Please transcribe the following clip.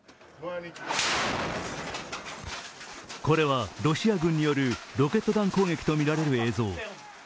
これは、ロシア軍によるロケット弾攻撃とみられる映像。